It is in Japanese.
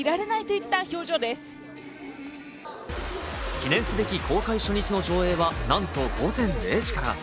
記念すべき公開初日の上映はなんと午前０時から。